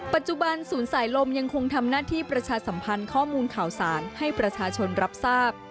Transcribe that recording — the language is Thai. ปัจจุบันศูนย์สายลมยังคงทำหน้าที่ประชาสัมพันธ์ข้อมูลข่าวสารให้ประชาชนรับทราบ